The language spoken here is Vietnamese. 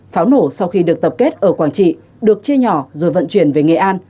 pháo nổ sau khi được tập kết ở quảng trị được chia nhỏ rồi vận chuyển về nghệ an